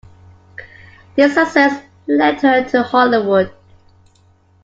This success led her to Hollywood.